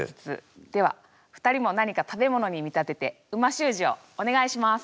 では２人も何か食べ物に見立てて美味しゅう字をお願いします。